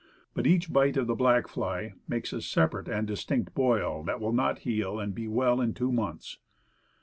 But each bite of the black fly makes a separate and distinct boil, that will not heal and be well in two months.